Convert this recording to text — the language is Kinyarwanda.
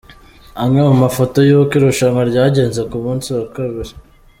Amwe mu mafoto y’uko irushanwa ryagenze ku munsi wa kabiri.